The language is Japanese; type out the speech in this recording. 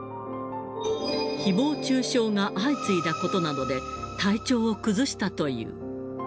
ひぼう中傷が相次いだことなどで、体調を崩したという。